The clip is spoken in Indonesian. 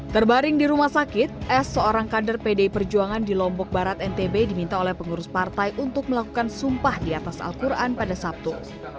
terbaring di rumah sakit s seorang kader pdi perjuangan di lombok barat ntb diminta oleh pengurus partai untuk melakukan sumpah di atas al quran pada sabtu